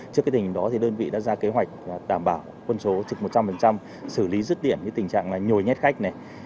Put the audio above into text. trước cái tình hình đó thì đơn vị đã ra kế hoạch đảm bảo quân số trực một trăm linh xử lý rứt điện những tình trạng nhồi nhét khách